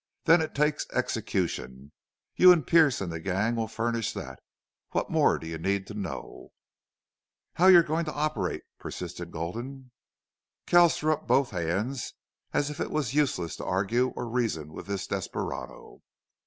Then it takes execution. You and Pearce and the gang will furnish that. What more do you need to know?" "How're you going to operate?" persisted Gulden. Kells threw up both hands as if it was useless to argue or reason with this desperado.